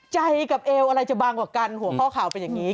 ใจกับเอวอะไรจะบางกว่ากันหัวข้อข่าวเป็นอย่างนี้